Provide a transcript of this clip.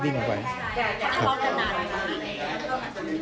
วิ่งออกไฟครับ